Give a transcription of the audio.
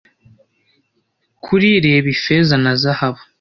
Kuri Reba Ifeza na Zahabu